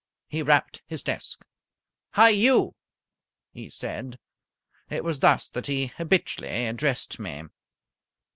He rapped his desk. "Hi! You!" he said. It was thus that he habitually addressed me.